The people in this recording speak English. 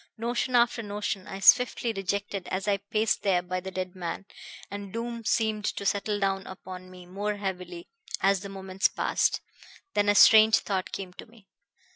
Notion after notion I swiftly rejected as I paced there by the dead man, and doom seemed to settle down upon me more heavily as the moments passed. Then a strange thought came to me.